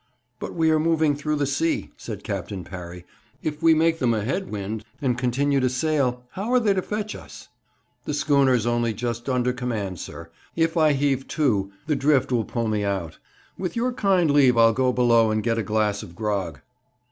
'But we are moving through the sea,' said Captain Parry. 'If we make them a head wind, and continue to sail, how are they to fetch us?' 'The schooner's only just under command, sir. If I heave to the drift will put me out. With your kind leave I'll go below and get a glass of grog.'